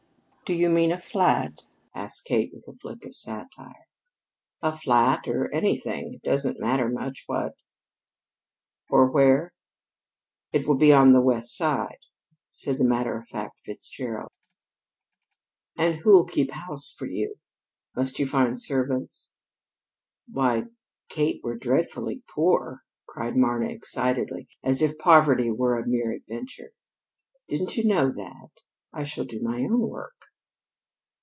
"Do you mean a flat?" asked Kate with a flick of satire. "A flat, or anything. It doesn't matter much what." "Or where?" "It will be on the West Side," said the matter of fact Fitzgerald. "And who'll keep house for you? Must you find servants?" "Why, Kate, we're dreadfully poor," cried Marna excitedly, as if poverty were a mere adventure. "Didn't you know that? I shall do my own work."